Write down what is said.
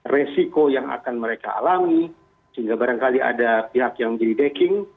resiko yang akan mereka alami sehingga barangkali ada pihak yang jadi backing